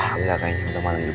enggak kayanya udah malem juga